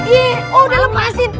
yee oh udah lepasin